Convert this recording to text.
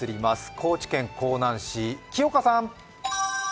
高知県香南市、木岡さん。